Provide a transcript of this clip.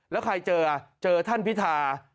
แล้วใครเจอเจอท่านพิธา